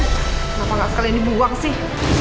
kenapa nggak sekalian dibuang sih